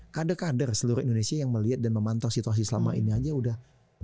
kader kader seluruh indonesia yang melihat dan memantau situasi selama ini aja udah